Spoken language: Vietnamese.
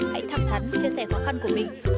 hãy thẳng thắn chia sẻ khó khăn của mình